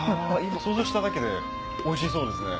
想像しただけでおいしそうですね。